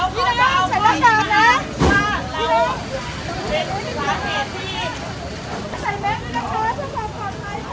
กล้องไซม์แม้คลิปครับ